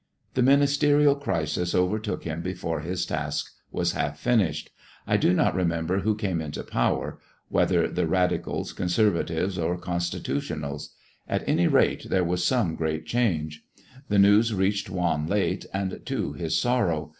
The ministerial crisis overtook him before his task was half finished. I do not remember who came into power, whether the Radicals, Conservatives, or Constitutionals; at any rate, there was some great change. The news reached Juan late, and to his sorrow.